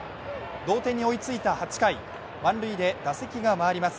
同点に追いついた８回、満塁で打席が回ります。